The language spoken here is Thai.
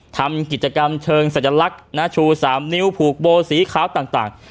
ทำกิจกรรมเชิงสัญลักษณ์ชู๓นิ้วผูกโบสีขาวต่าง